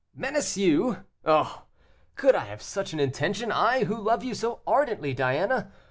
"Menace you! oh! could I have such an intention, I, who love you so ardently, Diana.